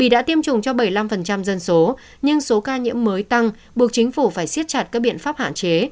bảy mươi năm dân số nhưng số ca nhiễm mới tăng buộc chính phủ phải siết chặt các biện pháp hạn chế